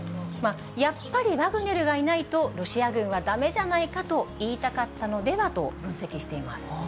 やっぱりワグネルがいないとロシア軍はだめじゃないかと言いたかったのではと分析しています。